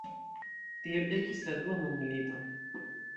Tiel ekis la Dua mondmilito.